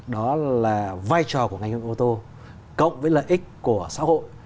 đó là vai trò của ngành công nghiệp ô tô cộng với lợi ích của xã hội